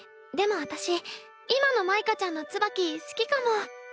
でも私今の舞花ちゃんのツバキ好きかも。